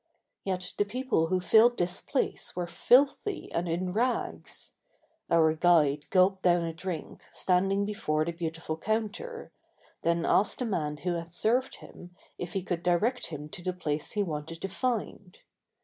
Yet the people who filled this place were filthy and in rags. Our guide gulped down a drink standing before the beautiful counter, then asked the man who had served him if he could direct him to the place he wanted to find.